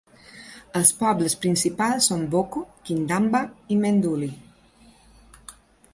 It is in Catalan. Els pobles principals són Boko, Kindamba i Mendouli.